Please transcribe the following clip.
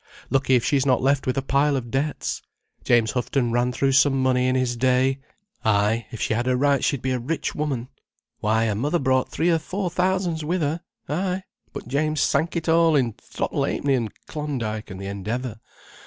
Lucky if she's not left with a pile of debts. James Houghton ran through some money in his day. Ay, if she had her rights she'd be a rich woman. Why, her mother brought three or four thousands with her. Ay, but James sank it all in Throttle Ha'penny and Klondyke and the Endeavour.